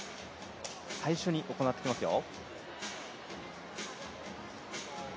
最初に行ってきますよ。